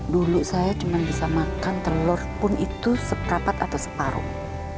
dulu saya cuma bisa makan telur pun itu seperapat atau separuh